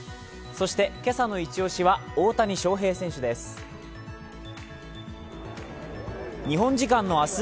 そして今朝のイチ押しは大谷翔平選手です。